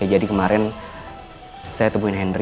ya jadi kemarin saya temuin henry